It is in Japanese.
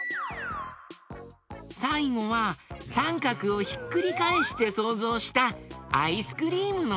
さいごはさんかくをひっくりかえしてそうぞうしたアイスクリームのえだよ。